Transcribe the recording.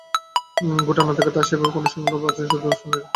গোটা নাটকে তাঁর সেভাবে কোনো সংলাপ নেই, আছে শুধুই সরব-নীরব অভিব্যক্তি।